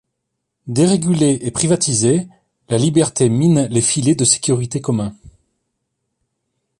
Dérégulée et privatisée, la liberté mine les filets de sécurité communs.